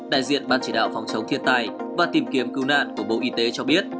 đại diện ban chỉ đạo phòng chống thiên tai và tìm kiếm cứu nạn của bộ y tế cho biết